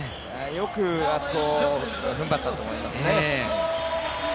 よくあそこ、踏ん張ったと思いますね。